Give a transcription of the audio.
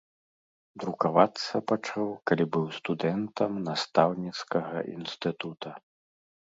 Друкавацца пачаў, калі быў студэнтам настаўніцкага інстытута.